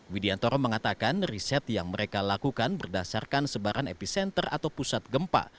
widiantoro mengatakan riset yang mereka lakukan berdasarkan sebaran epicenter atau pusat gempa